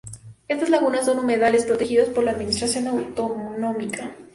Estas lagunas son humedales protegidos por la administración autonómica.